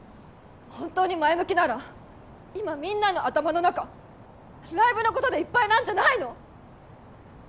本当に前向きなら今みんなの頭の中ライブのことでいっぱいなんじゃないの？